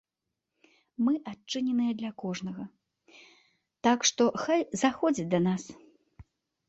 Мы адчыненыя для кожнага, так што хай заходзяць да нас.